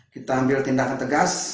kita ambil tindakan tegas